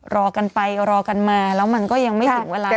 รอกันไปรอกันมาแล้วมันก็ยังไม่ถึงเวลา